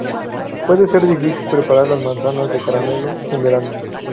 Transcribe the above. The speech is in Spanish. Puede ser difícil preparar las manzanas de caramelo en verano.